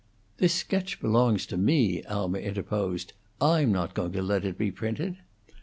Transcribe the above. "This sketch belongs to me," Alma interposed. "I'm not going to let it be printed."